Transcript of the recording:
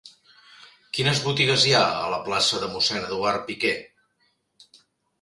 Quines botigues hi ha a la plaça de Mossèn Eduard Piquer?